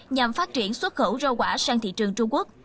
nhằm phát triển xuất khẩu rau quả sang thị trường trung quốc